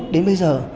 đến bây giờ